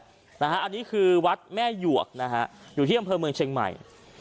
อันนี้คือวัดแม่หยวกนะฮะอยู่ที่อำเภอเมืองเชียงใหม่